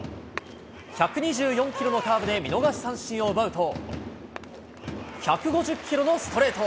１２４キロのカーブで見逃し三振を奪うと、１５０キロのストレート。